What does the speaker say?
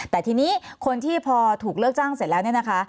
แต่ทีนี้คนที่พอถูกเลิกจ้างเสร็จแล้วเนี่ยนะคะ